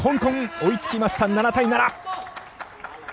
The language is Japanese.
追いつきました、７対７。